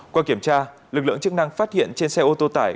qua kiểm tra lực lượng chức năng phát hiện trên xe ô tô tải